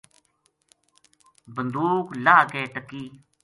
بندوق لاہ کے ٹَکی